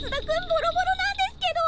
ボロボロなんですけど！